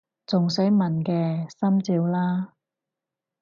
仲使問嘅！心照啦！